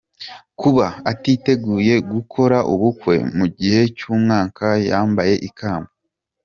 Kuba atiteguye gukora ubukwe mu gihe cy’umwaka yambaye ikamba.